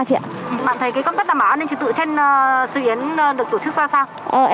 bạn thấy công tác tàm áo an ninh trừ tự trên sửa yến được tổ chức ra sao